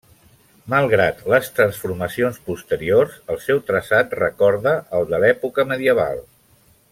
Malgrat les transformacions posteriors, el seu traçat recorda el de l'època medieval.